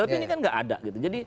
tapi ini kan nggak ada gitu